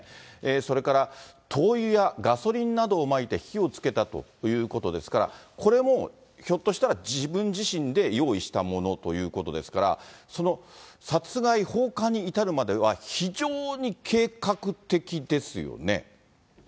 それから灯油やガソリンなどをまいて火をつけたということですから、これもひょっとしたら自分自身で用意したものということですから、その殺害、放火に至るまでは非常に計画的ですよね。